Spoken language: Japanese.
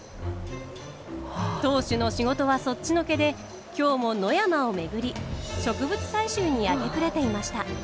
当主の仕事はそっちのけで今日も野山を巡り植物採集に明け暮れていました。